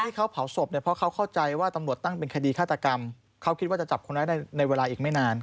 ที่เขาเผาศพเนี่ยเพราะเขาเข้าใจว่าตำรวจตั้งเป็นคดีฆาตกรรมเขาคิดว่าจะจับคนร้ายได้ในเวลาอีกไม่นาน